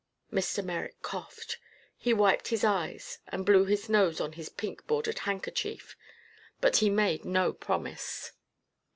Mr. Merrick coughed. He wiped his eyes and blew his nose on his pink bordered handkerchief. But he made no promise.